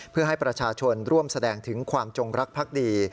เพื่อให้ประชาชนร่วมแสดงถึงความจงรักภักดี